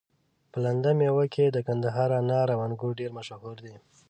په لنده ميوه کي د کندهار انار او انګور ډير مشهور دي